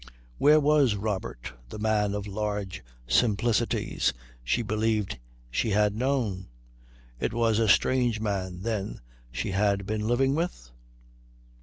Where was Robert, the man of large simplicities she believed she had known? It was a strange man, then, she had been living with?